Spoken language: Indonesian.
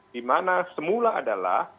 di mana semula adalah